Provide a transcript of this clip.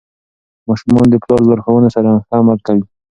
ماشومان د پلار لارښوونو سره ښه عمل کوي.